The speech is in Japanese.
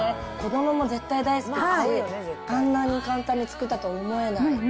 子どもも絶対大好きですし、あんなに簡単に作ったと思えない。